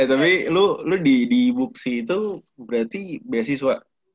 eh tapi lu di book city itu berarti beasiswa